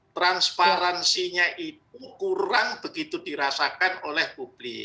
transparansinya itu kurang begitu dirasakan oleh publik